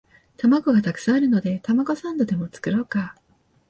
玉子がたくさんあるのでたまごサンドでも作ろうか